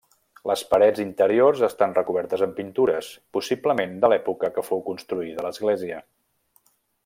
Les parets interiors estan recobertes amb pintures, possiblement de l'època que fou construïda l'església.